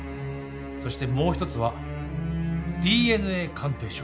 そしてもう一つはＤＮＡ鑑定書。